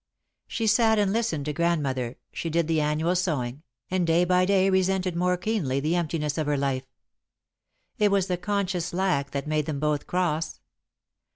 She sat and listened to Grandmother, she did the annual sewing, and day by day resented more keenly the emptiness of her life. It was the conscious lack that made them both cross.